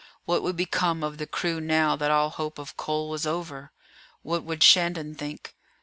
What would become of the crew now that all hope of coal was over? What would Shandon think?